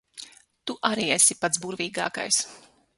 Tu arī esi pats burvīgākais.